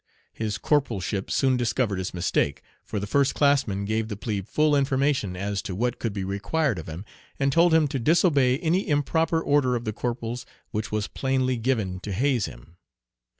His corporalship soon discovered his mistake, for the first classman gave the plebe full information as to what could be required of him, and told him to disobey any improper order of the corporal's which was plainly given to haze him.